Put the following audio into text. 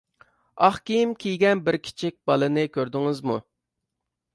ئاق كىيىم كىيگەن بىر كىچىك بالىنى كۆردىڭىزمۇ؟